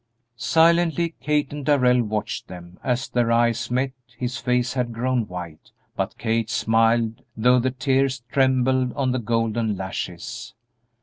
Silently Kate and Darrell watched them; as their eyes met, his face had grown white, but Kate smiled, though the tears trembled on the golden lashes.